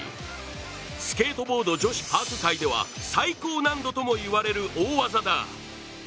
スケートボード女子パーク界では最高難度といわれる大技だ。